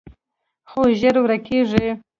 خو ژر ورکېږي